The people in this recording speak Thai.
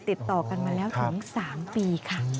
ติดต่อกันมาแล้วถึง๓ปีค่ะ